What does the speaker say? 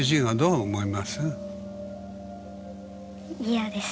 嫌です。